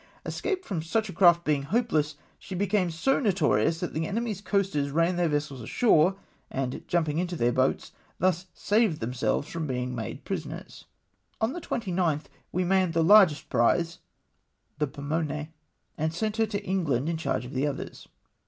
Escape from such a craft being hopeless, she became so notorious, that the enemy's coasters ran their vessels ashore, and jumping into their boats, thus saved themselves from iDcing made prisoners. On the 29th, we manned the largest prize, the Pomone, and sent her to England in charge of the others.